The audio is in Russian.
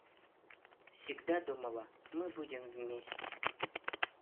Всегда думала, мы будем вместе.